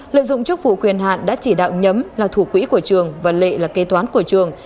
lợi dụng chức vụ quyền hạn đã chỉ đạo nhấm là thủ quỹ của trường và lệ là kê toán của trường